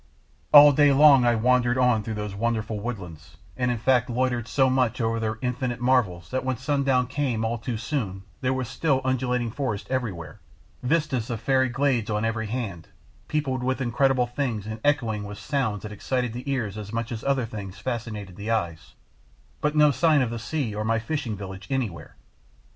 All day long I wandered on through those wonderful woodlands, and in fact loitered so much over their infinite marvels that when sundown came all too soon there was still undulating forest everywhere, vistas of fairy glades on every hand, peopled with incredible things and echoing with sounds that excited the ears as much as other things fascinated the eyes, but no sign of the sea or my fishing village anywhere.